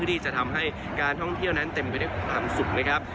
ที่จะทำให้การท่องเที่ยวนั้นเต็มไปด้วยความสุขนะครับ